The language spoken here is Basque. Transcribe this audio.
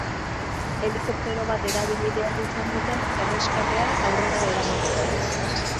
Helikoptero bat erabili behar izan dute erreskatea aurrera eramateko.